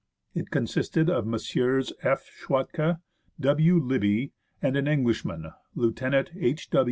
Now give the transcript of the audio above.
It consisted of Messrs. F. Schwatka, W. Libbey, and an Englishman, Lieut. H.